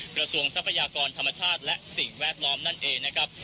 ทรัพยากรธรรมชาติและสิ่งแวดล้อมนั่นเองนะครับ